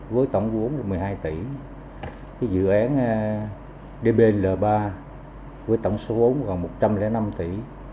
với tổng vốn một mươi hai tỷ dự án dbl ba với tổng số vốn gần một trăm linh năm tỷ